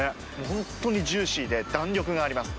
本当にジューシーで弾力があります。